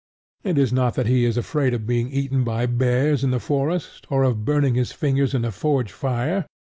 It is not that he is afraid of being eaten by bears in the forest, or of burning his fingers in the forge fire.